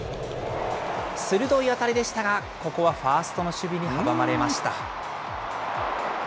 鋭い当たりでしたが、ここはファーストの守備に阻まれました。